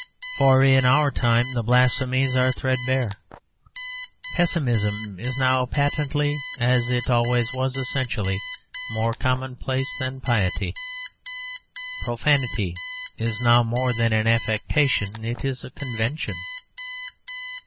For in our time the blasphemies are threadbare. Pessimism is now patently, as it always was essentially, more commonplace than piety. Profanity is now more than an affectation it is a convention.